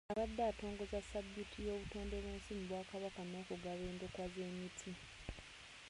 Abadde atongoza Ssabbiiti y’obutonde bw’ensi mu Bwakabaka n’okugaba endokwa z’emiti .